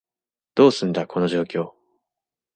どうすんだ、この状況？